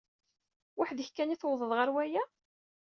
Weḥd-k kan i tewwḍeḍ ɣer waya?